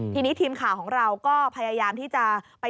ทีนี้ทีมข่าวของเราก็พยายามที่จะไป